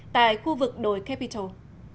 tại khu vực đồi capitol